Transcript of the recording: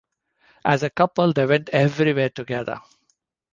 As a couple they went everywhere together.